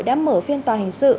đã mở phiên tòa hình sự